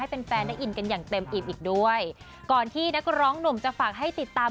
แฟนแฟนได้อินกันอย่างเต็มอิ่มอีกด้วยก่อนที่นักร้องหนุ่มจะฝากให้ติดตาม